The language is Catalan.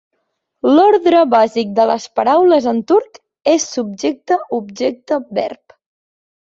L'ordre bàsic de les paraules en turc és subjecte objecte verb.